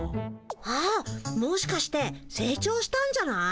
あもしかしてせい長したんじゃない？